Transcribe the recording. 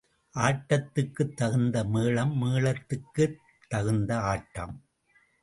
ஆட்டத்துக்குத் தகுந்த மேளம் மேளத்துக்குத் தகுந்த ஆட்டம்.